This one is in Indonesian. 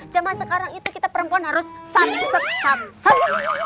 zaman sekarang itu kita perempuan harus sep sep sep sep